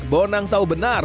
bonang tahu benar